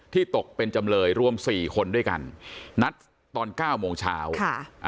ตกเป็นจำเลยรวมสี่คนด้วยกันนัดตอนเก้าโมงเช้าค่ะอ่า